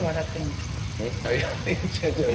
いやいや違う違う。